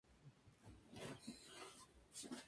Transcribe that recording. ella no comerá